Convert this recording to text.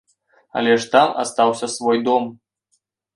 Але ж там астаўся свой дом.